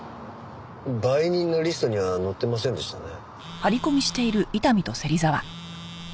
売人のリストには載ってませんでしたね。